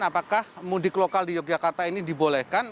apakah mudik lokal di yogyakarta ini dibolehkan